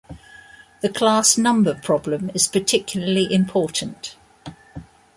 The class number problem is particularly important.